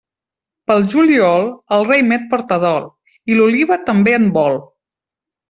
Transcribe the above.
Pel juliol, el raïmet porta dol, i l'oliva també en vol.